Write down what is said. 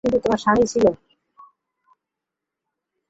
কিন্তু তোমার স্বামী ছিল।